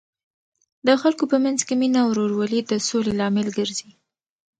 د خلکو په منځ کې مینه او ورورولي د سولې لامل ګرځي.